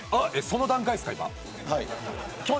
その段階ですか、今。